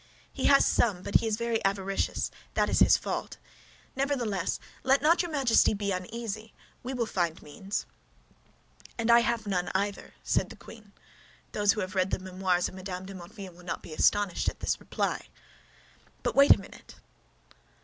"He has some, but he is very avaricious; that is his fault. Nevertheless, let not your Majesty be uneasy, we will find means." "And I have none, either," said the queen. Those who have read the Memoirs of Mme. de Motteville will not be astonished at this reply. "But wait a minute."